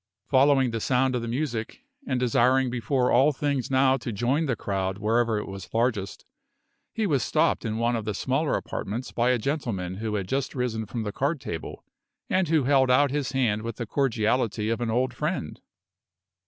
Following the sound of the music, and desiring before all things now to join the crowd wherever it was largest, he was stopped in one of the smaller apartments by a gentleman who had just risen from the card table, and who held out his hand with the cordiality of an old friend.